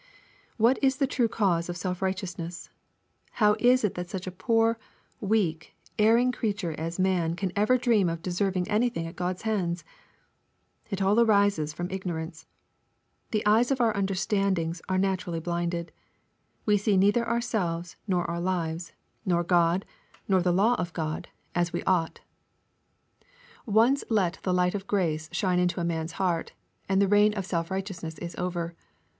What is the true cause of self righteousness ? How is it that such a poor, weak, erring creature as man can ever dream of deserving anything at God's hands ? It pll ari^e^ frgm ignorance. The eyes of our understand ings are naturally blipcjed, We see neither ourselves, uor our lives, nor God, nor th@ hw of Q pd, as we ought LUKE, CHAP. XVII^ 229 Once let the light of grace shine into a man's heart, and the reign of self righteousness is over.